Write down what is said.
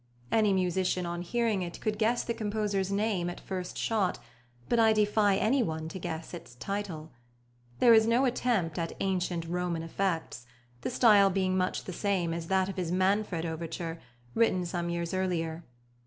Any musician on hearing it could guess the composer's name at first shot, but I defy anyone to guess its title. There is no attempt at ancient Roman effects, the style being much the same as that of his Manfred overture, written some years earlier.